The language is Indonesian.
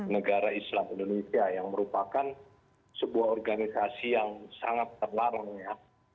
negara islam indonesia yang merupakan sebuah organisasi yang sangat terlarang ya